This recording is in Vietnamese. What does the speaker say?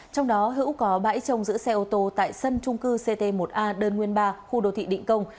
trong đó hữu có bãi trồng giữ xe ô tô tại sân trung cư ct một a đơn nguyên ba khu đô thị định công